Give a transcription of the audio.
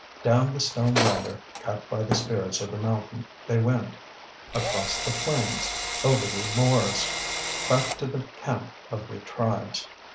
Down the stone ladder, cut by the spirits of the mountain, they went,—across the plains, over the moors,—back to the camp of the tribes.